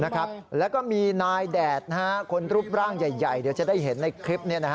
นะครับแล้วก็มีนายแดดฮะคนรูปร่างใหญ่เดี๋ยวจะได้เห็นในคลิปเนี้ยนะฮะ